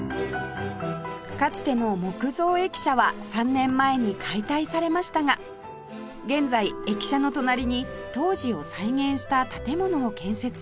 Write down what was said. かつての木造駅舎は３年前に解体されましたが現在駅舎の隣に当時を再現した建物を建設中